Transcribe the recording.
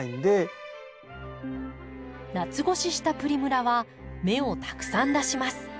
夏越ししたプリムラは芽をたくさん出します。